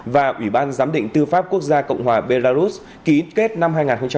và ủy ban giám định tư pháp quốc gia cộng hòa belarus ký kết năm hai nghìn một mươi chín